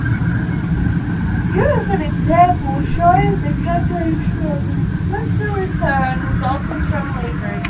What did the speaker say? Here is an example showing the calculation of the expected return resulting from leverage.